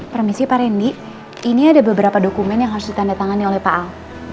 permisi pak randy ini ada beberapa dokumen yang harus ditandatangani oleh pak al